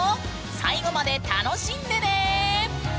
最後まで楽しんでね！